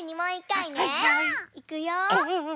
いくよ。